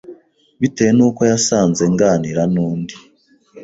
bitewe n uko yasanze nganira n undi